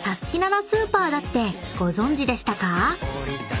なスーパーだってご存じでしたか？］